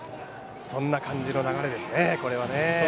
そんな感じの流れですね。